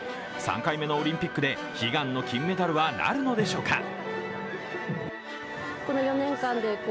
３回目のオリンピックで悲願の金メダルはなるのでしょうか。